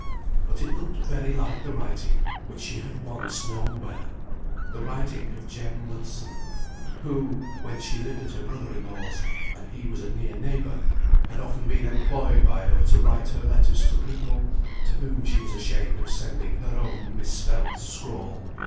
But it looked very like the writing which she had once known well the writing of Jem Wilson, who, when she lived at her brother in law's, and he was a near neighbour, had often been employed by her to write her letters to people, to whom she was ashamed of sending her own misspelt scrawl.